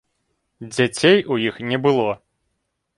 Дзяцей у іх не было.